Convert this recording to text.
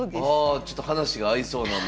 ちょっと話が合いそうなんで。